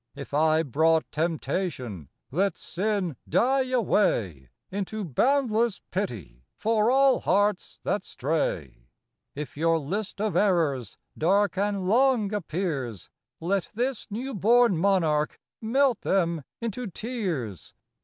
If I brought Temptation, Let sin die away Into boundless Pity For all hearts that stray. STRIVE , WAIT, AND FRAY. 135 If your list of Errors Dark and long appears, Let this new born Monarch Melt them into tears.